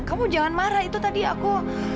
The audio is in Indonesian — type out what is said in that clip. kamu jangan marah itu tadi aku